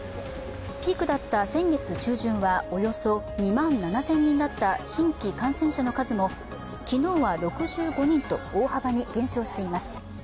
ピークだった先月中旬はおよそ２万７０００人だった新規感染者数も昨日は６５人と大幅に減少しています。